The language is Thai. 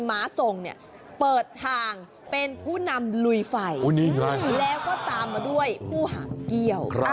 ม้าทรงเนี่ยเปิดทางเป็นผู้นำลุยไฟแล้วก็ตามมาด้วยผู้หามเกี้ยว